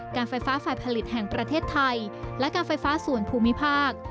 การไฟฟ้าฝ่ายผลิตแห่งประเทศไทยและการไฟฟ้าส่วนภูมิภาค